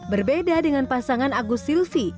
berbeda dengan pasangan ahok jarot